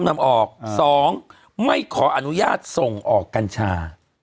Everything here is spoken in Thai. ๒ไม่ขออนุญาตส่งออกกัญชา